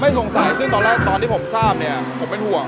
ไม่สงสัยซึ่งตอนเริ่มตอนที่ผมทราบผมเป็นห่วง